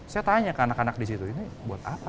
saya tanya ke anak anak di situ ini buat apa